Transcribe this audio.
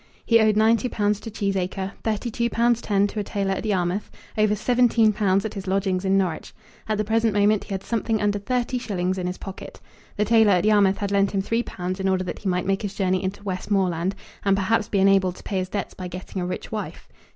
He owed ninety pounds to Cheesacre, thirty two pounds ten to a tailor at Yarmouth, over seventeen pounds at his lodgings in Norwich. At the present moment he had something under thirty shillings in his pocket. The tailor at Yarmouth had lent him three pounds in order that he might make his journey into Westmoreland, and perhaps be enabled to pay his debts by getting a rich wife.